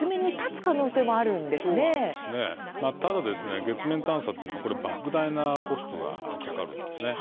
ただ、この月面探査というのはばく大なコストがかかるんです。